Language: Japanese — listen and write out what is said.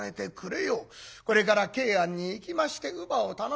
これから桂庵に行きまして乳母を頼んでくる。